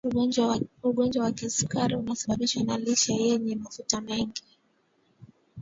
ugonjwa wa kisukari unasababishwa na lishe yenye mafuta mengi